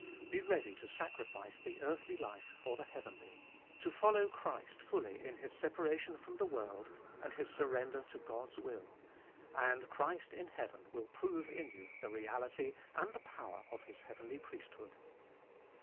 Be ready to sacrifice the earthly life for the heavenly ; to follow Christ fully in His separation from the world and His surrender to God's will ; and Christ in heaven will prove in you the reality and the power of His heavenly priesthood.